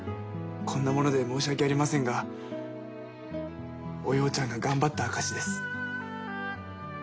こんなもので申し訳ありませんがおようちゃんが頑張った証しです。